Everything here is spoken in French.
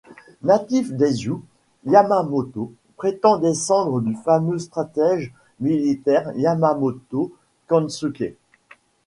Natif d'Aizu, Yamamoto prétend descendre du fameux stratège militaire Yamamoto Kansuke.